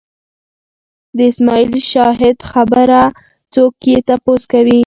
د اسماعیل شاهد خبره څوک یې تپوس کوي